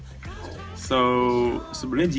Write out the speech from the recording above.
jadi gue gak pernah nonton